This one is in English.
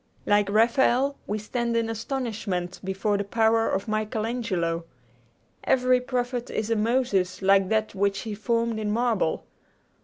Like Raphael, we stand in astonishment before the power of Michael Angelo. Every prophet is a Moses, like that which he formed in marble.